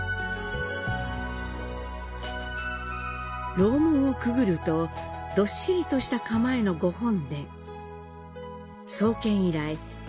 楼門をくぐると、どっしりとした構えの御本殿。